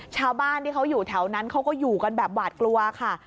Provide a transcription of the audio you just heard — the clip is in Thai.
ชาวบ้านที่เขาอยู่แถวนั้นเขาก็อยู่กันแบบหวาดกลัวค่ะ